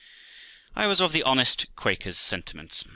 I was of the honest Quaker's sentiments.